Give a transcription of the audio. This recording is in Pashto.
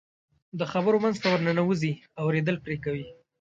د خبرو منځ ته ورننوځي، اورېدل پرې کوي.